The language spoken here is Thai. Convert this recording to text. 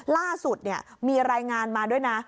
ล่าสุดมีรายงานมาด้วยนะ